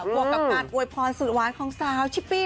ผักกับการโวยพรสืดวาดของชิปปี้